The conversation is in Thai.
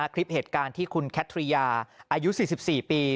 คลิปเหตุการณ์ที่คุณแคทริยาอายุ๔๔ปี